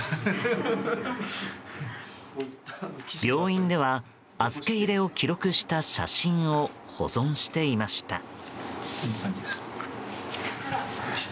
病院では預け入れを記録した写真を保存していました。